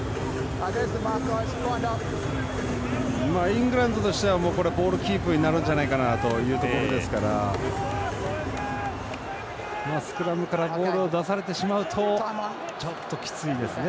イングランドとしてはボールキープになるんじゃないかなというところですからスクラムからボールを出されてしまうとちょっときついですね